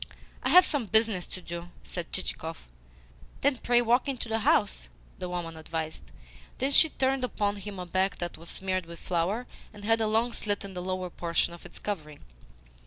"I have some business to do," said Chichikov. "Then pray walk into the house," the woman advised. Then she turned upon him a back that was smeared with flour and had a long slit in the lower portion of its covering.